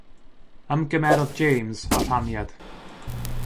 Ymgymerodd James â rhaniad.